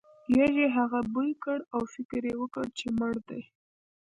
یږې هغه بوی کړ او فکر یې وکړ چې مړ دی.